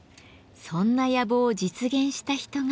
そんな野望を実現した人が。